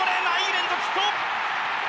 連続ヒット！